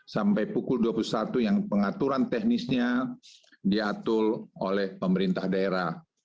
sampai pukul dua puluh satu yang pengaturan teknisnya diatur oleh pemerintah daerah